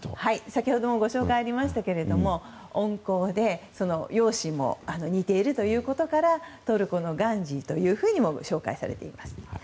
先ほども紹介がありましたが温厚で、容姿も似ているということからトルコのガンジーというふうにも紹介されています。